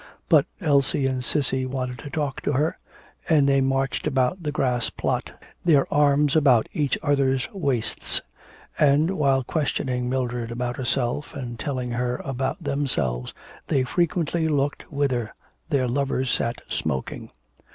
But Elsie and Cissy wanted to talk to her, and they marched about the grass plot, their arms about each other's waists; and, while questioning Mildred about herself and telling her about themselves, they frequently looked whither their lovers sat smoking.